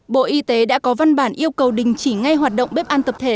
bộ y tế đã có văn bản yêu cầu đình chỉ ngay hoạt động bếp ăn tập thể